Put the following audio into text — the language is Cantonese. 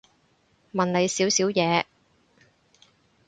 問你少少嘢